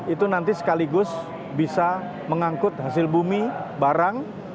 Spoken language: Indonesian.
itu nanti sekaligus bisa mengangkut hasil bumi barang